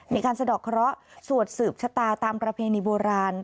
สะดอกเคราะห์สวดสืบชะตาตามประเพณีโบราณ